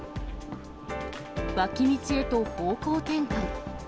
脇道へと、方向転換。